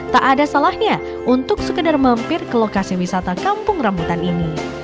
tak ada salahnya untuk sekedar mampir ke lokasi wisata kampung rambutan ini